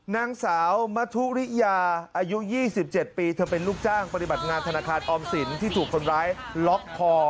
นางสาวมทุริยาอายุ๒๗ปีเธอเป็นลูกจ้างปฏิบัติงานธนาคารออมสินที่ถูกคนร้ายล็อกคอ